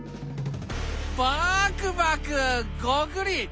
バクバクゴクリ。